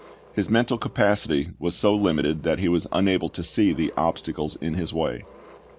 His mental capacity was so limited that he was unable to see the obstacles in his way.